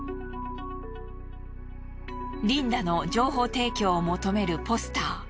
リンダの情報提供を求めるポスター。